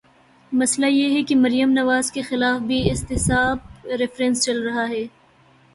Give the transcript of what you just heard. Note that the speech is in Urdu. مسئلہ یہ ہے کہ مریم نواز کے خلاف بھی احتساب ریفرنس چل رہا ہے۔